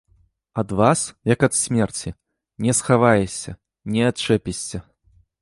Ад вас, як ад смерці, не схаваешся, не адчэпішся!